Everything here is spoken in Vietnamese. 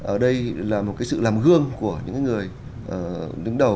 ở đây là một cái sự làm gương của những người đứng đầu